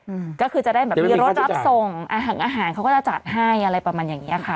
อืมก็คือจะได้แบบมีรถรับส่งอาหารเขาก็จะจัดให้อะไรประมาณอย่างเงี้ยค่ะ